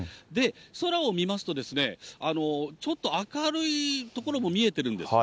空を見ますと、ちょっと明るい所も見えてるんです。